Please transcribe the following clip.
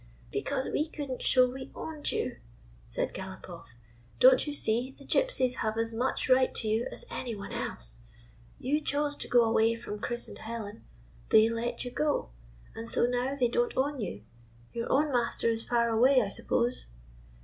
" Because we could n't show we owned you," said Galopoff. "Don't you see, the Gypsies have as much right to you as anyone else. You chose to go away from Chris and Helen; they let you go, and so now they don't own you. Your own master is far away, I suppose."